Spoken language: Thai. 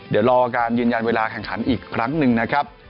เดี๋ยวรอการยืนยันเวลาแข่งขันอีกครั้งหนึ่งนะครับ